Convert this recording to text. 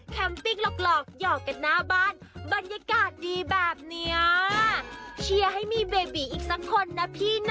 ปิ้งหลอกหยอกกันหน้าบ้านบรรยากาศดีแบบเนี้ยเชียร์ให้มีเบบีอีกสักคนนะพี่นะ